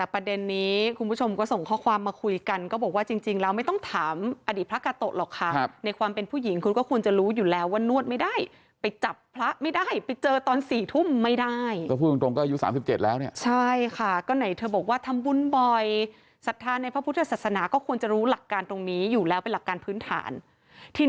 ผู้ชมก็ส่งข้อความมาคุยกันก็บอกว่าจริงจริงแล้วไม่ต้องถามอดีตพระกาโตหรอกค่ะในความเป็นผู้หญิงคุณก็ควรจะรู้อยู่แล้วว่านวดไม่ได้ไปจับพระไม่ได้ไปเจอตอนสี่ทุ่มไม่ได้ก็พูดจริงตรงก็อายุสามสิบเจ็ดแล้วเนี่ยใช่ค่ะก็ไหนเธอบอกว่าทำบุญบ่อยศาสนาในพระพุทธศาสนาก็ควรจะรู้หลักการต